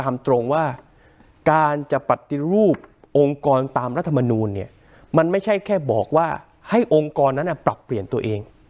มันไม่ใช่แค่บอกว่าให้องค์กรนั้นน่ะปรับเปลี่ยนตัวเอง